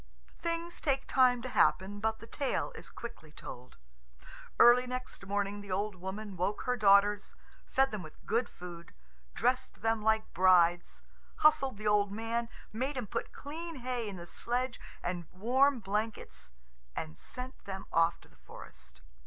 Things take time to happen, but the tale is quickly told. Early next morning the old woman woke her daughters, fed them with good food, dressed them like brides, hustled the old man, made him put clean hay in the sledge and warm blankets, and sent them off to the forest.